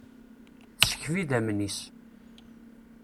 Teskef idammen-is.